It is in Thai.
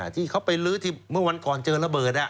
ที่เขาไปลื้อที่เมื่อวันก่อนเจอระเบิด